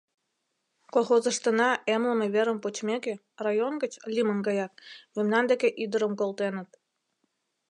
Колхозыштына эмлыме верым почмеке, район гыч, лӱмын гаяк, мемнан деке ӱдырым колтеныт!